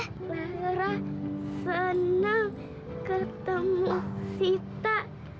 farah senang ketemu sita